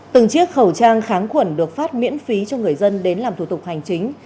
từng chiếc khẩu trang kháng khuẩn được phát miễn phí cho người dân đến làm thủ tục hành chính